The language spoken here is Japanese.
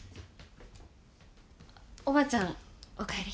おばあちゃんおかえり。